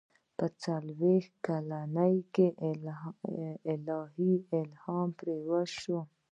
په څلوېښت کلنۍ کې الهي وحي پرې وشي.